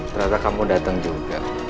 ternyata kamu datang juga